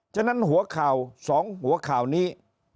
ฉะนั้นหัวข่าว๒หัวข่าวนี้